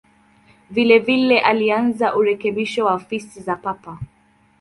Vilevile alianza urekebisho wa ofisi za Papa.